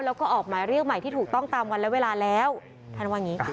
แล้วก็ออกหมายเรียกใหม่ที่ถูกต้องตามวันและเวลาแล้วท่านว่าอย่างนี้ค่ะ